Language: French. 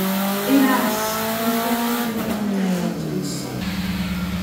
Hélas ! on voit tomber goutte à goutte le sang